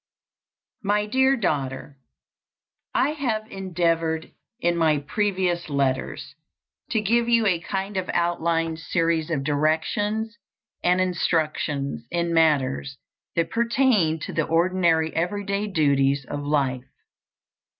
My Dear Daughter: I have endeavored in my previous letters to give you a kind of outline series of directions and instructions in matters that pertain to the ordinary every day duties of life.